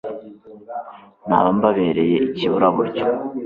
naba mbabereye ikiburaburyo